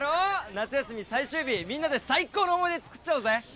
夏休み最終日みんなで最高の思い出作っちゃおうぜ！